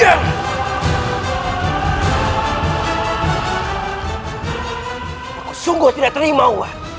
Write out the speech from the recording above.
aku sungguh tidak terima uang